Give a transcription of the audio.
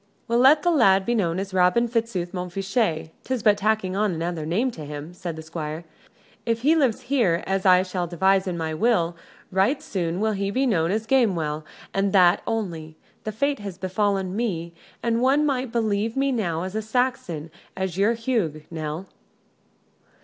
"Well, let the lad be known as Robin Fitzooth Montfichet 'tis but tacking on another name to him," said the Squire. "If he lives here, as I shall devise in my will, right soon will he be known as Gamewell, and that only! That fate has befallen me, and one might believe me now as Saxon as your Hugh, Nell."